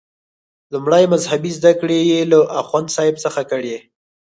لومړنۍ مذهبي زده کړې یې له اخوندصاحب څخه کړي.